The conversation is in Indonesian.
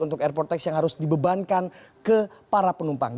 untuk airport tax yang harus dibebankan ke para penumpang